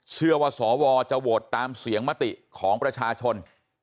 เชื่อว่าสวจะโหวตตามเสียงมติของประชาชน